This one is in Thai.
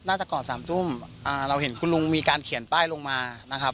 น่าจะก่อน๓จุ้มเราเห็นคุณลุงมีการเขียนป้ายลงมา